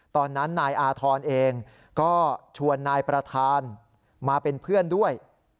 ตอนนั้นนายอาธรณ์เองก็ชวนนายประธานมาเป็นเพื่อนด้วย